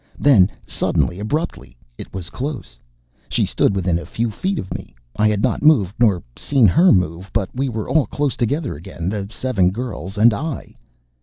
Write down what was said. Then, suddenly, abruptly it was close. She stood within a few feet of me! I had not moved nor seen her move, but we were all close together again the seven girls and I....